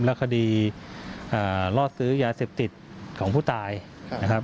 และคดีล่อซื้อยาเสพติดของผู้ตายนะครับ